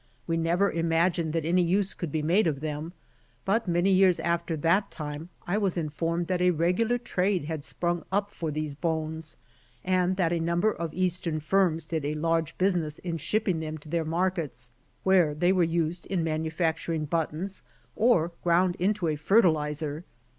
We never imagined that any use could be made of them, but many years after that time I was informed that a regular trade had sprung up for these bones, and that a number of Eastern firms did a large business in shipping them to their markets, where they were used in manufacturing buttons or gTound into a fertilizer.